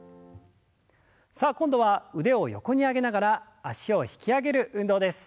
さあ今度は腕を横に上げながら脚を引き上げる運動です。